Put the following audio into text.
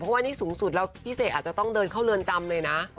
เพราะว่านี่สูงสุดแล้วพี่เสกอาจจะต้องเดินเข้าเรือนจำเลยนะ